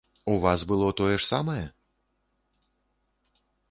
У вас было тое ж самае?